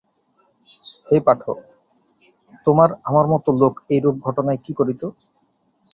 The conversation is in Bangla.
হে পাঠক, তোমার আমার মতো লোক এইরূপ ঘটনায় কী করিত।